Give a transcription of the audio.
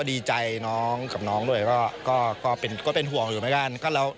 ดีใจน้องกับน้องด้วยก็เป็นห่วงอยู่เหมือนกัน